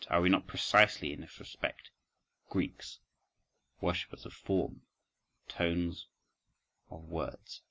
Are we not precisely in this respect—Greeks? Worshippers of form, of tones, of words?